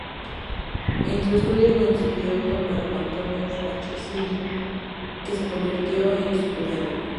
En su estudio coincidió con Marcantonio Franceschini, que se convirtió en su cuñado.